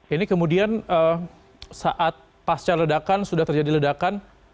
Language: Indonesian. ini kemudian saat pasca ledakan sudah terjadi ledakan